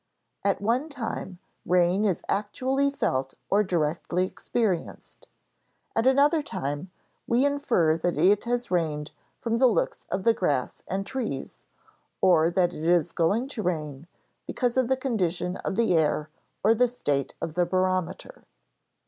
At one time, rain is actually felt or directly experienced; at another time, we infer that it has rained from the looks of the grass and trees, or that it is going to rain because of the condition of the air or the state of the barometer.